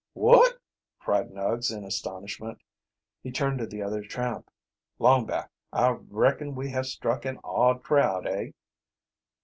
"Wot!" cried Nuggs, in astonishment. He turned to the other tramp. "Longback, I reckon we have struck an odd crowd, hey?"